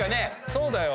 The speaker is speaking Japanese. そうだよ。